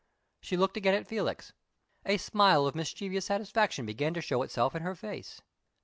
She looked again at Felix; a smile of mischievous satisfaction began to show itself in her face.